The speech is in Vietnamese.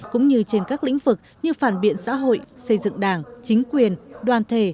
cũng như trên các lĩnh vực như phản biện xã hội xây dựng đảng chính quyền đoàn thể